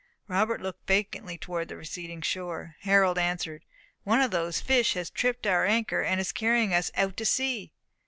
Robert looked vacantly towards the receding shore. Harold answered, "One of these fish has tripped our anchor, and is carrying us out to sea."